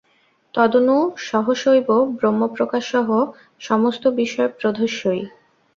তদনু সহসৈব ব্রহ্মপ্রকাশ সহ সমস্তবিষয়প্রধ্বংসৈঃ।